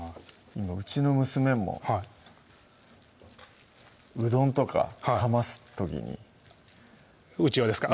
今うちの娘もはいうどんとか冷ます時にうちわですか？